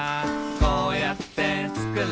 「こうやってつくる